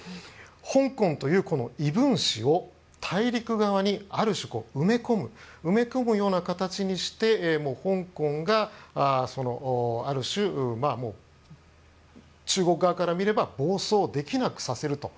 香港という異分子を大陸側にある種埋め込むような形にして香港がある種、中国側から見れば暴走できなくすると。